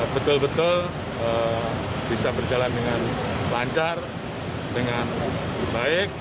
betul betul bisa berjalan dengan lancar dengan baik